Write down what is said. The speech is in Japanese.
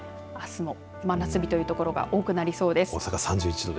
あすも真夏日という所が多くなりそうです。